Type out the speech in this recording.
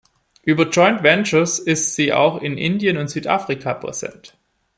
Über Joint Ventures ist sie auch in Indien und Südafrika präsent.